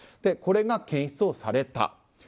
これが検出された。